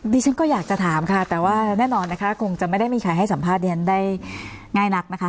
ดิฉันก็อยากจะถามค่ะแต่ว่าแน่นอนนะคะคงจะไม่ได้มีใครให้สัมภาษณ์ได้ง่ายนักนะคะ